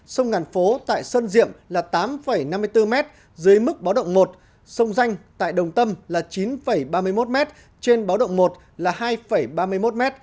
sông ngàn phố tại sơn diệm là tám năm mươi bốn m dưới mức báo động một sông danh tại đồng tâm là chín ba mươi một m trên báo động một là hai ba mươi một m